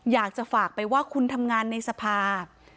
อยากจะฝากไปว่าคุณทำงานในสภา